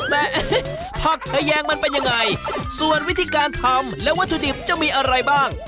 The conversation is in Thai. แต่ผักทะแยงมันเป็นยังไงส่วนวิธีการทำและวัตถุดิบจะมีอะไรบ้าง